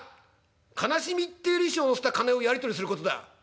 悲しみっていう利子を乗せた金をやり取りすることだ。